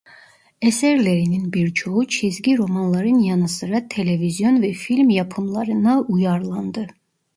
Eserlerinin birçoğu çizgi romanların yanı sıra televizyon ve film yapımlarına uyarlandı.